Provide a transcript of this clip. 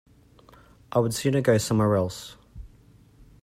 I would sooner go somewhere else.